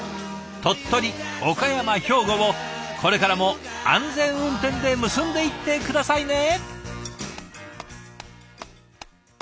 鳥取岡山兵庫をこれからも安全運転で結んでいって下さいね。